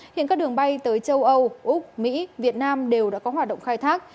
hiện các đường bay tới châu âu úc mỹ việt nam đều đã có hoạt động khai thác